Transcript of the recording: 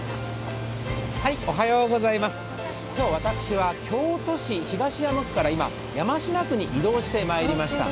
今日私は京都市東山区から今、山科区に移動してまいりました